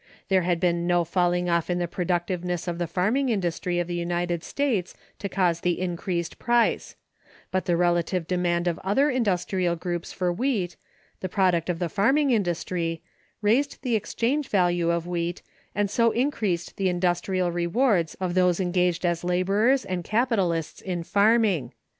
There had been no falling off in the productiveness of the farming industry of the United States to cause the increased price; but the relative demand of other industrial groups for wheat, the product of the farming industry, raised the exchange value of wheat, and so increased the industrial rewards of those engaged as laborers and capitalists in farming.